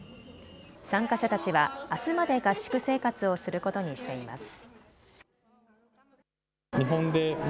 参加者たちはあすまで合宿生活をすることにしています。